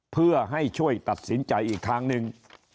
เพื่อให้ช่วยตัดสินใจอีกทางหนึ่ง